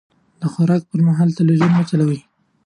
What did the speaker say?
د خوراک پر مهال تلويزيون مه چلوئ.